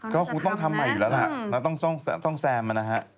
ก็ต้องทำใหม่อยู่ล่ะล่ะแล้วต้องแซมอ่ะนะฮะ